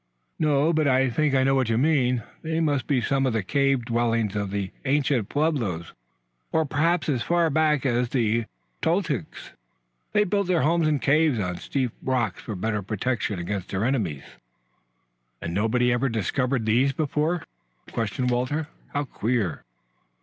"No; but I think I know what you mean. They must be some of the cave dwellings of the ancient Pueblos, or perhaps as far back as the Toltecs. They built their homes in caves on the steep rocks for better protection against their enemies." "And nobody ever discovered these before?" questioned. Walter. "How queer!"